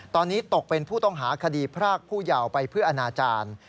ตอนนี้ตกเป็นผู้ต้องหาคดีพรากผู้ยาวไปเพื่ออนาจารย์